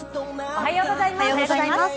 おはようございます。